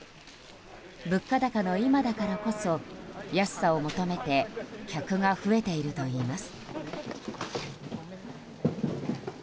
物価高の今だからこそ安さを求めて客が増えているといいます。